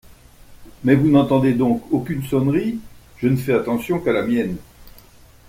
Mais vous n'entendez donc aucune sonnerie ? Je ne fais attention qu'à la mienne.